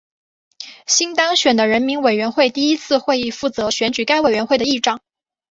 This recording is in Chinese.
新当选的人民委员会第一次会议负责选举该委员会的议长。